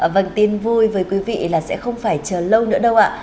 vâng tin vui với quý vị là sẽ không phải chờ lâu nữa đâu ạ